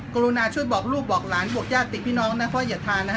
กรุณาช่วยบอกลูกบอกหลานบอกญาติติดพี่น้องนะเพราะอย่าทานนะฮะ